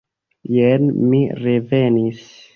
Jen mi revenis!